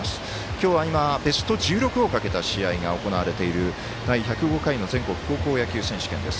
今日はベスト１６をかけた試合が行われている第１０５回の全国高校野球選手権です。